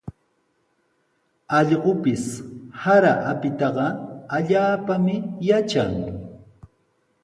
Allqupis sara apitaqa allaapami yatran.